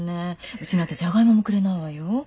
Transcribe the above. うちなんてジャガイモもくれないわよ。